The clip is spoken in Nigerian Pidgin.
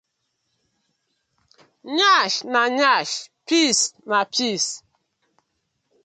Yansh na yansh piss na piss.